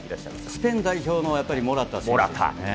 スペイン代表のモラタ選手ですね。